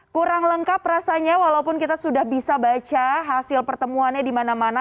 kurang lengkap rasanya walaupun kita sudah bisa baca hasil pertemuannya di mana mana